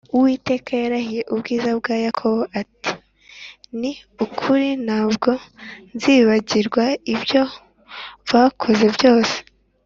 Uwiteka yarahiye ubwiza bwa Yakobo ati “Ni ukuri ntabwo nzibagirwa ibyo bakoze byose